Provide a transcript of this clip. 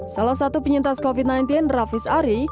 salah satu penyintas covid sembilan belas rafis ari